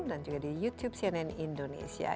dan juga di youtube cnn indonesia